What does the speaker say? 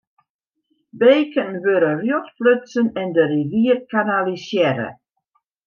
Beken wurde rjocht lutsen en de rivier kanalisearre.